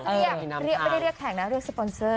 เรียกไม่ได้เรียกแข่งนะเรียกสปอนเซอร์